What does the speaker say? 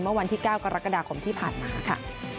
เมื่อวันที่๙กรกฎาคมที่ผ่านมาค่ะ